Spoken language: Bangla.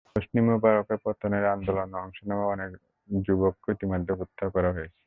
হোসনি মোবারকের পতনের আন্দোলনে অংশ নেওয়া অনেক যুবককে ইতিমধ্যে গ্রেপ্তার করা হয়েছে।